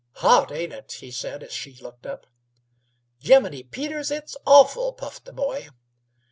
"Hot, ain't it?" he said, as she looked up. "Jimminy Peters, it's awful!" puffed the boy.